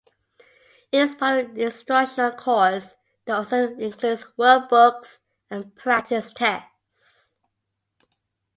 It is part of an instructional course that also includes workbooks and practice tests.